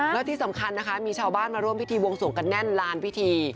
แล้วที่สำคัญนะคะมีชาวบ้านมาร่วมพิธีบวงสวงกันแน่นลานพิธี